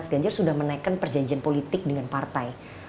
ganjar sudah menaikkan perjanjian politik dengan partai